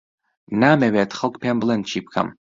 نامەوێت خەڵک پێم بڵێن چی بکەم.